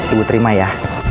ibu terima ya